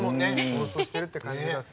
放送してるって感じがする。